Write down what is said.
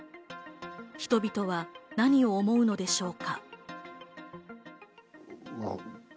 人々は何を思うのでしょうか？